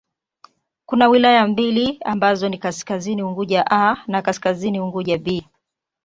Kuna wilaya mbili ambazo ni Kaskazini Unguja 'A' na Kaskazini Unguja 'B'.